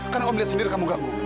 karena om lihat sendiri kamu ganggu